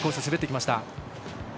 滑ってきました。